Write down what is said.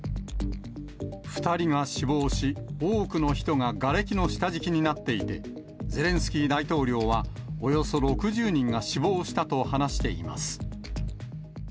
２人が死亡し、多くの人ががれきの下敷きになっていて、ゼレンスキー大統領は、およそ６０人が死亡したと話しています。